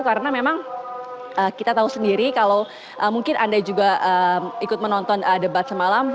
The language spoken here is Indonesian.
karena memang kita tahu sendiri kalau mungkin anda juga ikut menonton debat semalam